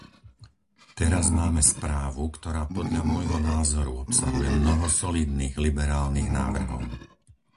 Teraz máme správu, ktorá podľa môjho názoru obsahuje mnoho solídnych liberálnych návrhov.